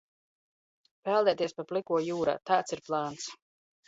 Peldēties pa pliko jūrā, tāds ir plāns!